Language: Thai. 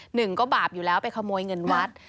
หนึ่งก็บาปอยู่แล้วไปขโมยเงินวัด